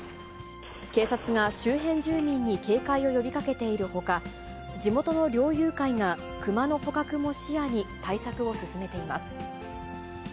警察が周辺住民に警戒を呼びかけているほか、地元の猟友会がクマの捕獲も視野に対策を進めています。